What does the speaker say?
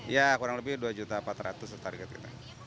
ya kurang lebih dua empat ratus target kita